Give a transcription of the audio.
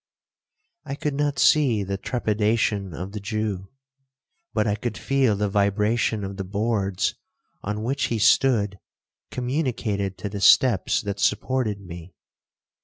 'I could not see the trepidation of the Jew, but I could feel the vibration of the boards on which he stood communicated to the steps that supported me.